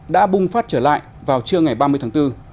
đã bùng phát trở lại vào trưa ngày ba mươi tháng bốn